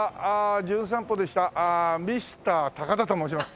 『じゅん散歩』で来たミスター高田と申します。